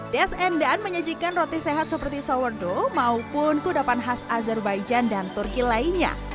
des endan menyajikan roti sehat seperti sourdough maupun kudapan khas azerbaijan dan turki lainnya